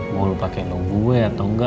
mau lo pake lo gue atau engga